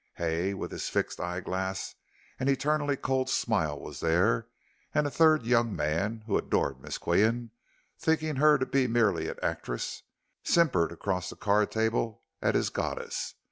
Hay, with his fixed eye glass and eternally cold smile was there, and a third young man, who adored Miss Qian, thinking her to be merely an actress, simpered across the card table at his goddess.